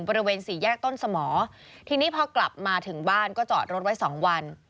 บริเวณสี่แีกต้นสมะ